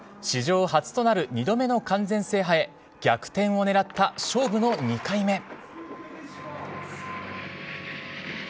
史上初となる２度目の完全制覇へ逆転を狙った勝負の２回目。